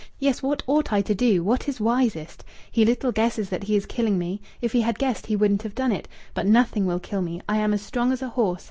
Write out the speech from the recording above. Yes, what ought I to do? What is wisest? He little guesses that he is killing me. If he had guessed, he wouldn't have done it. But nothing will kill me! I am as strong as a horse.